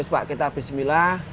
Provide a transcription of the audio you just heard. pak kita bismillah